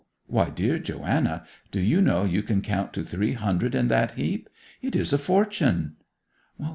Why, dear Joanna, do you know you can count to three hundred in that heap? It is a fortune!